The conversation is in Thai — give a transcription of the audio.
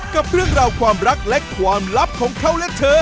กับเรื่องราวความรักและความลับของเขาและเธอ